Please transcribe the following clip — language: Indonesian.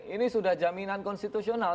ini sudah jaminan konstitusional